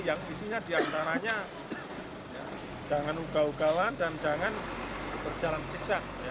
yang isinya diantaranya jangan ugal ugalan dan jangan berjalan siksa